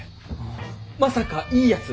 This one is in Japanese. あまさかいいやつ！？